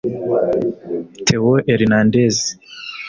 Theo Hernandez